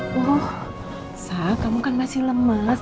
no sa kamu kan masih lemas